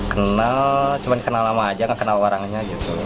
kenal cuma kenal lama aja gak kenal orangnya gitu